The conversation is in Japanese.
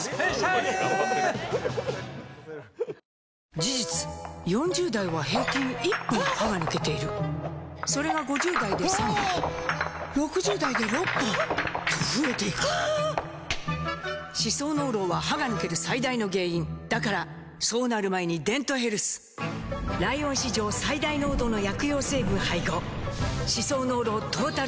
事実４０代は平均１本歯が抜けているそれが５０代で３本６０代で６本と増えていく歯槽膿漏は歯が抜ける最大の原因だからそうなる前に「デントヘルス」ライオン史上最大濃度の薬用成分配合歯槽膿漏トータルケア！